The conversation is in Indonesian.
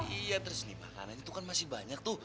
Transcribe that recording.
iya terus ini makan itu kan masih banyak tuh